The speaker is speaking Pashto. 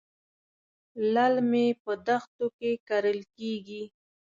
للمي په دښتو کې کرل کېږي.